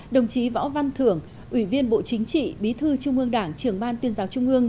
đồng chí võ văn thưởng ủy viên bộ chính trị bí thư trung ương đảng trưởng ban tuyên giáo trung ương